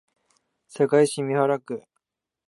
堺市美原区